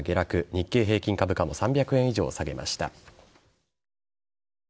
日経平均株価も３００円以上下げました。